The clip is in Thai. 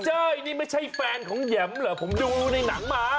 เฮ้ยนี่ไม่ใช่แฟนของแหยมเหรอผมดูในหนังมา